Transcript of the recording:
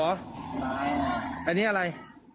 หลายนะค่ะหลายนี่อะไร